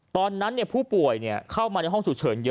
ตอนนั้นผู้ป่วยเข้ามาในห้องฉุกเฉินเยอะ